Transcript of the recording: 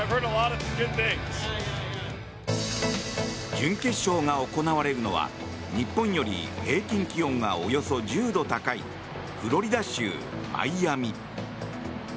準決勝が行われるのは日本より平均気温がおよそ１０度高いフロリダ州マイアミ。